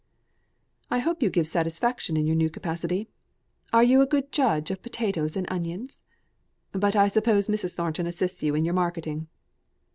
"I hope you give satisfaction in your new capacity. Are you a good judge of potatoes and onions? But I suppose Mrs. Thornton assists you in your marketing."